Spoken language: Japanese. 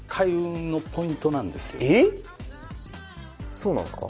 そうなんすか？